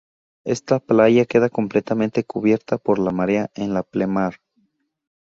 Esta playa queda completamente cubierta por la marea en la pleamar.